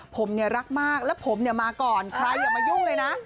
ผมเนี่ยรักมากแล้วผมมาก่อนใครอย่ามายุ่งเลยนะ